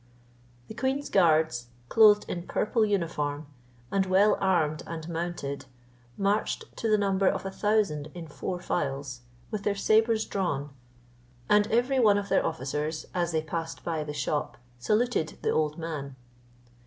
The queen's guards, clothed in purple uniform, and well armed and mounted, marched to the number of a thousand in four files, with their sabres drawn, and every one of their officers, as they passed by the shop, saluted the old man.